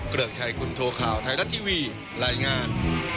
โปรดชัยคุณโทษข่าวไทยรัฐทีวีไลน์งาน